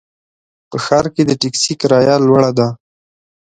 په ښار کې د ټکسي کرایه لوړه ده.